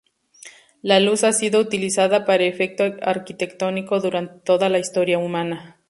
La luz ha sido utilizada para efecto arquitectónico durante toda la historia humana.